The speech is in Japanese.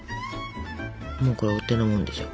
もうこれお手のもんでしょ。